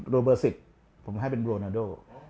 เบอร์๑๐ผมให้เป็นโรนาโด